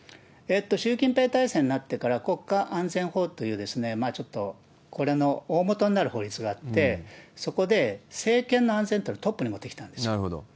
習近平体制になってから、国家安全法という、ちょっとこれのおおもとになる法律があって、そこで政権の安全というのをトップに持ってきたんです。